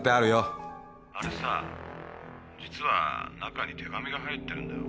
あれさ実は中に手紙が入ってるんだよ。